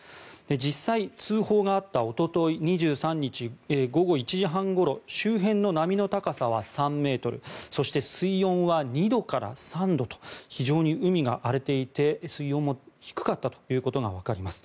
実際、通報があったおととい２３日午後１時半ごろ周辺の波の高さは３ｍそして水温は２度から３度と非常に海が荒れていて水温も低かったことがわかります。